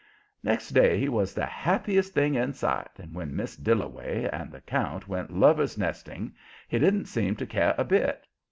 Next day he was the happiest thing in sight, and when Miss Dillaway and the count went Lover's Nesting he didn't seem to care a bit.